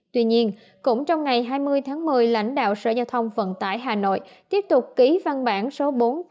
tuy nhiên cũng trong ngày hai mươi tháng một mươi lãnh đạo sở giao thông vận tải hà nội tiếp tục ký văn bản số bốn trăm tám mươi bảy